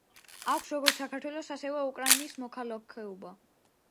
აქვს როგორც საქართველოს, ასევე უკრაინის მოქალაქეობა.